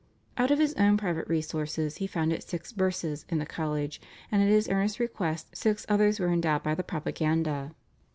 Out of his own private resources he founded six burses in the college, and at his earnest request six others were endowed by the Propaganda.